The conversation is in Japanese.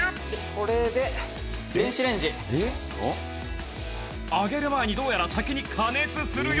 「これで電子レンジ」揚げる前にどうやら先に加熱するようだ